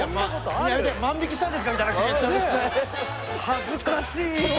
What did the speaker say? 恥ずかしいわ。